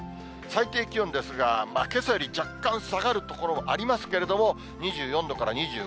最低気温ですが、けさより若干下がる所もありますけれども、２４度から２５、６度。